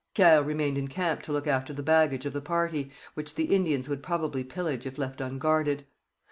Pierre remained in camp to look after the baggage of the party, which the Indians would probably pillage if left unguarded.